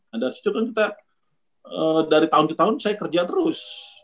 nah dari situ kan kita dari tahun ke tahun saya kerja terus